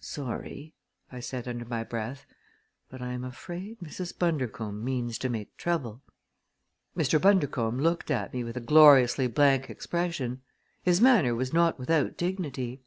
"Sorry," I said under my breath, "but I am afraid Mrs. Bundercombe means to make trouble!" Mr. Bundercombe looked at me with a gloriously blank expression. His manner was not without dignity.